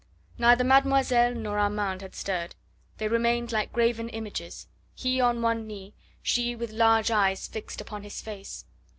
Neither Mademoiselle nor Armand had stirred. They remained like graven images, he on one knee, she with large eyes fixed upon his face.